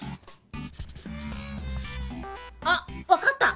あっ分かった！